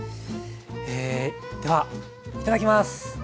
えではいただきます。